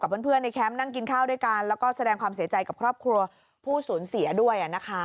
เพื่อนในแคมป์นั่งกินข้าวด้วยกันแล้วก็แสดงความเสียใจกับครอบครัวผู้สูญเสียด้วยนะคะ